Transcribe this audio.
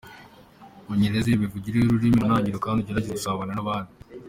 Imenyereze imivugire y’ururimi mu ntangiriro kandi ugerageze gusabana n’abandi.